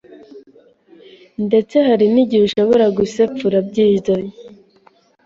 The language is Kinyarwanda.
ndetse hari n’igihe ushobora gusepfura byizanye.